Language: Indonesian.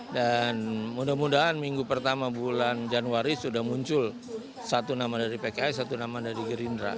dan mudah mudahan minggu pertama bulan januari sudah muncul satu nama dari pks satu nama dari gerindra